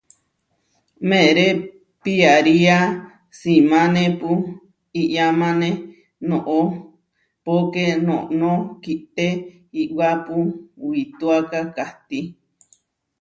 Meeré piaría simánepu iʼyamáne noʼó, póke noʼnó kité iʼwápu wituáka kahtí.